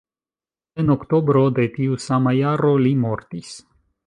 En oktobro de tiu sama jaro li mortis.